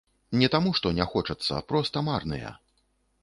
Не таму што не хочацца, проста марныя.